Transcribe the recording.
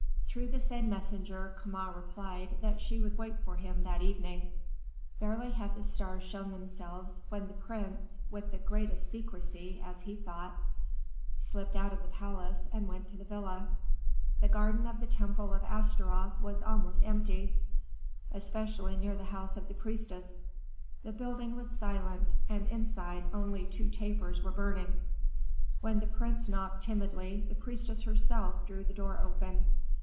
Through the same messenger Kama replied that she would wait for him that evening. Barely had the stars shown themselves, when the prince (with the greatest secrecy, as he thought) slipped out of the palace, and went to the villa. The garden of the temple of Astaroth was almost empty, especially near the house of the priestess. The building was silent, and inside only two tapers were burning. When the prince knocked timidly, the priestess herself drew the door open.